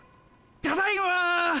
ただいま！